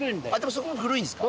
そこも古いんですか？